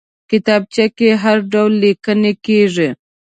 کتابچه کې هر ډول لیکنه کېږي